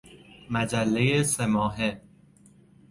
مجله سه ماهه